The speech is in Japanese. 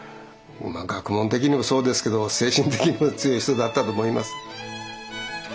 学問的にもそうですけど精神的にも強い人だったと思います。